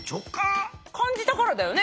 感じたからだよね？